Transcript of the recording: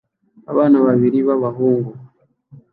Abana babiri b'abahungu